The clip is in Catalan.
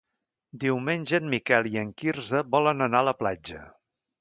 Diumenge en Miquel i en Quirze volen anar a la platja.